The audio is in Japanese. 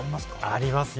ありますよ。